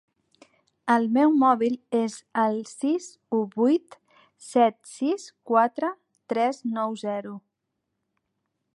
El meu mòbil és el sis u vuit set sis quatre tres nou zero.